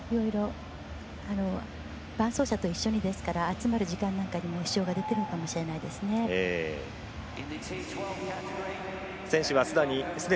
伴走者と一緒にですから集まる時間なんかにも支障が出ているかもしれないですね。